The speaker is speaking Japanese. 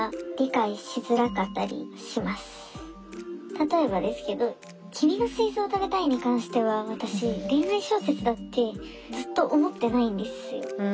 例えばですけど「君の膵臓をたべたい」に関しては私恋愛小説だってずっと思ってないんですよ。